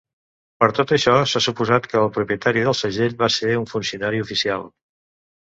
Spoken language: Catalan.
Per tot això s'ha suposat que el propietari del segell va ser un funcionari oficial.